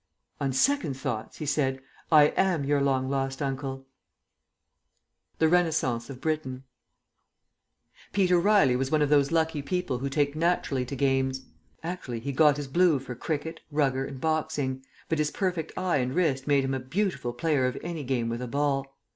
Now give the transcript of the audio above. "On second thoughts," he said, "I am your long lost uncle." THE RENASCENCE OF BRITAIN Peter Riley was one of those lucky people who take naturally to games. Actually he got his blue for cricket, rugger, and boxing, but his perfect eye and wrist made him a beautiful player of any game with a ball.